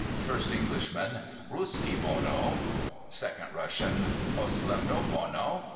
First Englishman: 'Ruskie bono!' Second Russian: 'Oslem no bono!